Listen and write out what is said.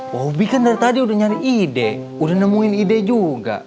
wah hobi kan dari tadi udah nyari ide udah nemuin ide juga